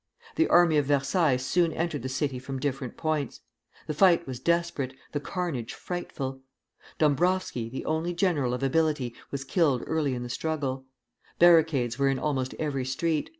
The army of Versailles soon entered the city from different points. The fight was desperate, the carnage frightful. Dombrowski, the only general of ability, was killed early in the struggle. Barricades were in almost every street.